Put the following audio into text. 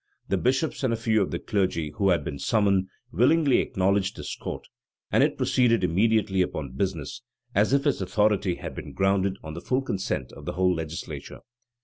The bishops and a few of the clergy, who had been summoned, willingly acknowledged this court; and it proceeded immediately upon business, as if its authority had been grounded on the full consent of the whole legislature.